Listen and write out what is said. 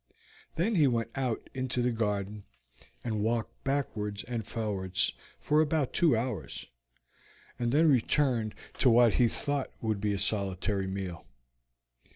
Then he went out into the garden, and walked backwards and forwards for about two hours, and then returned to what he thought would be a solitary meal.